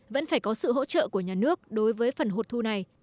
vẫn phải có sự hỗ trợ của nhà nước đối với phần hột thu này